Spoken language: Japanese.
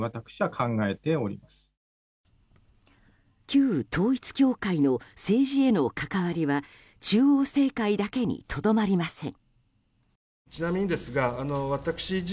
旧統一教会の政治への関わりは中央政界だけにとどまりません。